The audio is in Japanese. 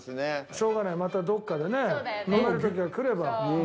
しょうがないまたどっかでね飲める時が来れば。